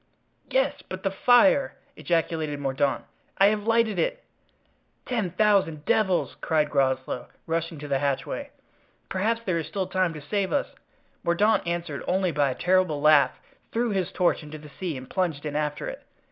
"Yes, but the fire," ejaculated Mordaunt; "I have lighted it." "Ten thousand devils!" cried Groslow, rushing to the hatchway; "perhaps there is still time to save us." Mordaunt answered only by a terrible laugh, threw his torch into the sea and plunged in after it.